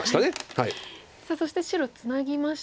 さあそして白ツナぎましたね。